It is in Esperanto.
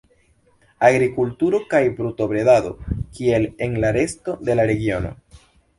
Agrikulturo kaj brutobredado, kiel en la resto de la regiono.